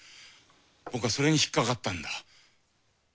僕はそれに引っかかったんだ。